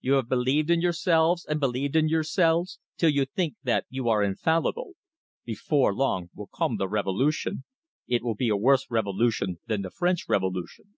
You have believed in yourselves and believed in yourselves, till you think that you are infallible. Before long will come the revolution. It will be a worse revolution than the French Revolution."